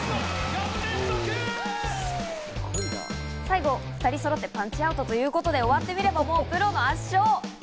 最後２人そろってパンチアウトということで、終わってみればプロの圧勝！